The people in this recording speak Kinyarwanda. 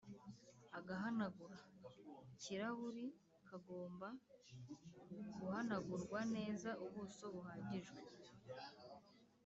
Agahanagura-kirahuri kagomba guhanagura neza ubuso buhagije